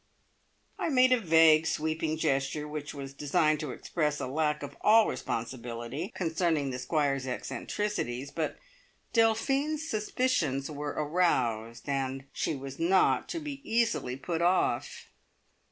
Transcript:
I made a vague sweeping gesture, which was designed to express a lack of all responsibility concerning the Squire's eccentricities, but Delphine's suspicions were aroused, and she was not to be easily put off.